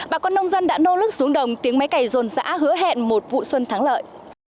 bà con nông dân đã nô lức xuống đồng tiếng máy cày dồn giã hứa hẹn một vụ xuân thắng lợi